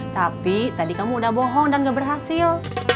tapi tadi kamu udah bohong dan gak berhasil